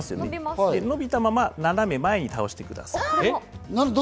伸びたまま、斜め前に倒してください。